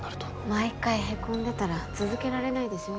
毎回ヘコんでたら続けられないですよ